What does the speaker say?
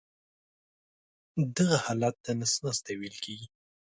دغه حالت ته نس ناستی ویل کېږي.